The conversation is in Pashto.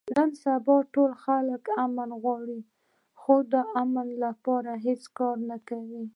نن سبا ټول خلک امن غواړي، خو د امن لپاره هېڅ کار نه کوي.